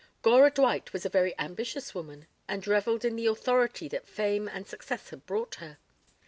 Gora Dwight was a very ambitious woman and revelled in the authority that fame and success had brought her.